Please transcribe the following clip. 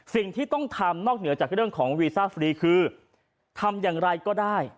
สิ่งที่ต้องทำนอกเหนือจากเรื่องของวีซ่าฟรีคือทำอย่างไรก็ได้